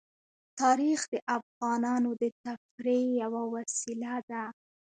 تاریخ د افغانانو د تفریح یوه وسیله ده.